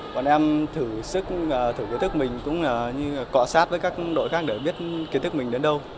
bọn em thử sức thử kiến thức mình cũng như cọ sát với các đội khác để biết kiến thức mình đến đâu